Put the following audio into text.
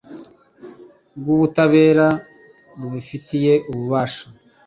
rw ubutabera rubifitiye ububasha